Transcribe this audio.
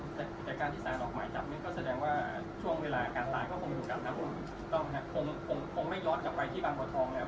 แต่การที่สารออกหมายจับนึงก็แสดงว่าช่วงเวลาการตายก็คงอยู่กันนะครับผมคงไม่ยอดกลับไปที่บางบทธรรมแล้วใช่ไหม